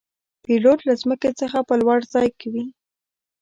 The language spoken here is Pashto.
پیلوټ له ځمکې څخه په لوړ ځای کې وي.